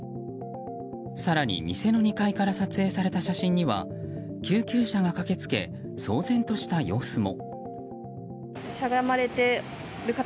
更に、店の２階から撮影された写真には救急車が駆け付け騒然とした様子も。